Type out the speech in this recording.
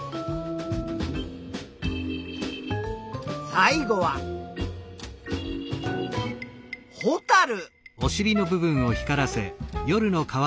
最後はホタル。